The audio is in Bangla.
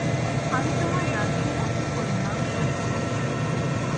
আমি তোমার লাগিয়া এত করিলাম, আর তুমি–।